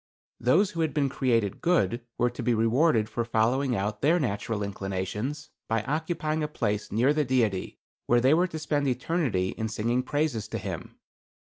Those who had been created good were to be rewarded for following out their natural inclinations, by occupying a place near the Deity, where they were to spend eternity in singing praises to him.